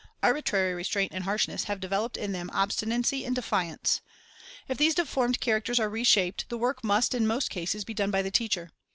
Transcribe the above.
Arbitrary restraint and harshness have developed in them obstinacy and defiance. If these deformed characters are reshaped, the work must, in most cases, be done by the teacher.